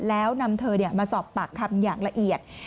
แล้วนำเธอมาสอบปากคำอย่างละเอียด